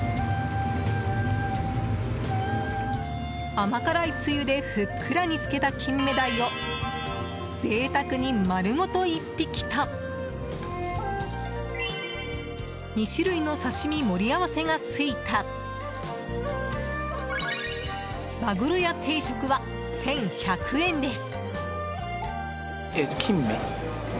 甘辛いつゆでふっくら煮付けたキンメダイを贅沢に丸ごと１匹と２種類の刺し身盛り合わせがついたまぐろや定食は１１００円です。